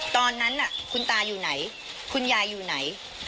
ตอนนั้นคุณตาอยู่ไหนคุณยายอยู่ไหน